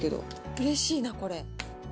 うれしいな、これ。